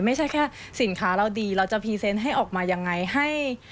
ไม่ใช่แค่สินค้าเราดีเราจะพรีเซนต์ให้ออกมายังไงให้